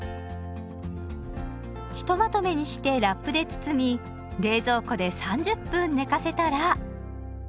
ひとまとめにしてラップで包み冷蔵庫で３０分寝かせたら。